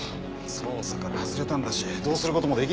捜査から外れたんだしどうすることもできないだろ。